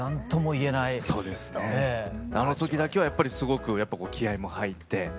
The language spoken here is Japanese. あの時だけはやっぱりすごく気合いも入って。